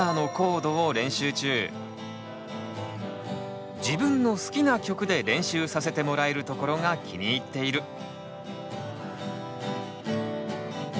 今は自分の好きな曲で練習させてもらえるところが気に入っている。